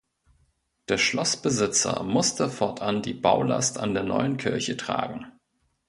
Der Schlossbesitzer musste fortan die Baulast an der neuen Kirche tragen.